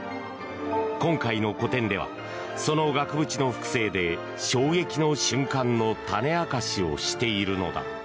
今回の個展ではその額縁の複製で衝撃の瞬間の種明かしをしているのだ。